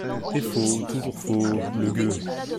Et faux ! toujours faux ! le gueux !